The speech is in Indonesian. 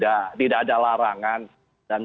dan tentu semakin banyak yang senang itu